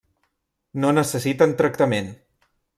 No necessiten tractament.